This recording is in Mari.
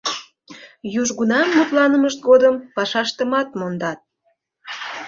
Южгунам мутланымышт годым пашаштымат мондат.